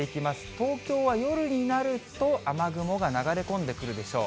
東京は夜になると雨雲が流れ込んでくるでしょう。